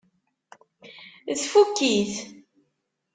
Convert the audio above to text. Tfukk-it?